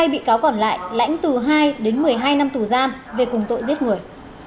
hai mươi bị cáo còn lại lãnh từ hai đến một mươi hai năm tù giam về cùng tội giết người